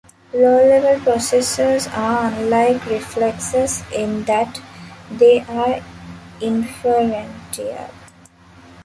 Low level processes are unlike reflexes in that they are inferential.